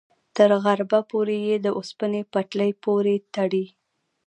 تر غربه پورې یې د اوسپنې پټلۍ پورې تړي.